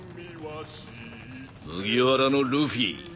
麦わらのルフィ。